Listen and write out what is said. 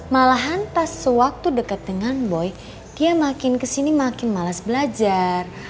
malahan pas sewaktu dekat dengan boy dia makin kesini makin malas belajar